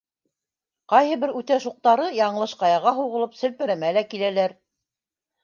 Ҡайһы бер үтә шуҡтары, яңылыш ҡаяға һуғылып, селпәрәмә лә киләләр.